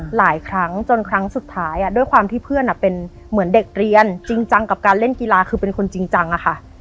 หลายครั้งจนครั้งสุดท้ายด้วยความที่เพื่อนเป็นเหมือนเด็กเรียนจริงจังกับการเล่นกีฬาคือเป็นคนจริงจังอะค่ะ